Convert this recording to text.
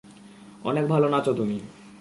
অনেক ভালো নাচো তুমি।